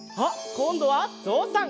こんどはぞうさん！